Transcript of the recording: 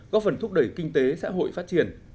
góp phần thúc đẩy kinh tế xã hội phát triển